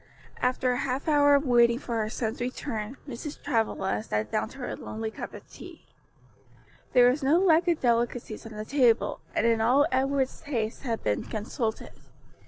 After a half hour of waiting for her son's return, Mrs. Travilla sat down to her lonely cup of tea. There was no lack of delicacies on the table, and in all Edward's taste had been consulted.